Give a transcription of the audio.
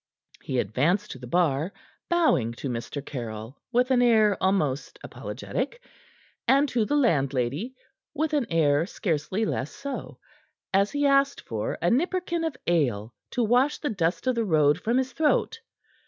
He advanced to the bar, bowing to Mr. Caryll with an air almost apologetic, and to the landlady with an air scarcely less so, as he asked for a nipperkin of ale to wash the dust of the road from his throat.